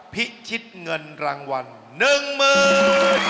พิชิตเงินรางวัล๑หมื่น